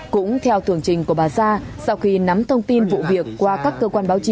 cũng theo tường trình của bà sa sau khi nắm thông tin vụ việc qua các cơ quan báo chí